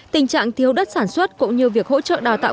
tình trạng thiếu đất sản xuất cũng như việc hỗ trợ đào tạo